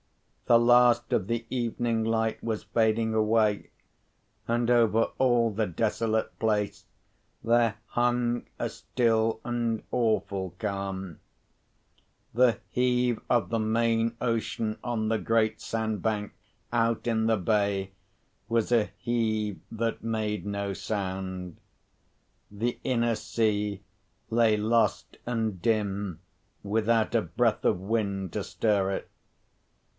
The last of the evening light was fading away; and over all the desolate place there hung a still and awful calm. The heave of the main ocean on the great sandbank out in the bay, was a heave that made no sound. The inner sea lay lost and dim, without a breath of wind to stir it.